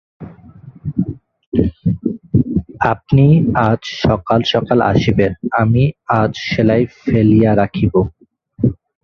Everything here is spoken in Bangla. আপনি আজ সকাল-সকাল আসিবেন–আমি আজ সেলাই ফেলিয়া রাখিব।